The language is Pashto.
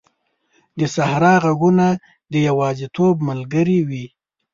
د صحرا ږغونه د یوازیتوب ملګري وي.